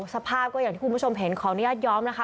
สภาพก็อย่างที่คุณผู้ชมเห็นขออนุญาตย้อมนะคะ